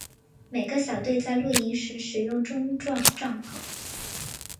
每个小队在露营时使用钟状帐篷。